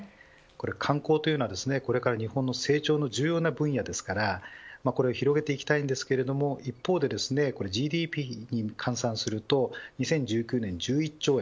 観光というのはこれから日本の成長の重要な分野なのでこれを広げていきたいのですが一方でＧＤＰに換算すると２０１９年、１１兆円。